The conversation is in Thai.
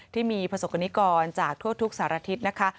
ที่มีประสบกรณิกรจากทั่วทุกสารทิศนะคะ